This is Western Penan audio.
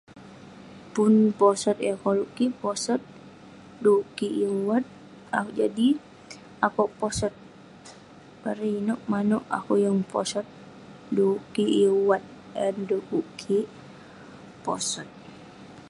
Pun posot yah koluk kik posot duk kik yeng wat akuek jadi akuek posot bareng inuek manouk akuek yeng posot dukuk kik yeng wat eh yang dukuk kik posot